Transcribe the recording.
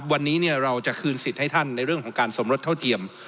วันนี้เราจะคืนสิทธิ์ให้ท่านในเรื่องของการสมรสเท่าเทียม